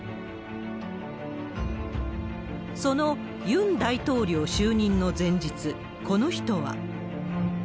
そのユン大統領就任の前日、この人は。